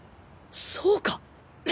そうか！